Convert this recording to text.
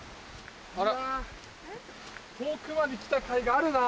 遠くまで来たかいがあるなぁ。